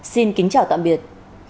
xin kính chào tạm biệt